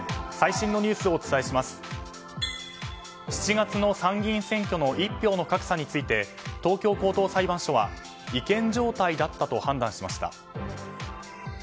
７月の参議院選挙の一票の格差について東京高等裁判所は違憲状態だったと判断しました。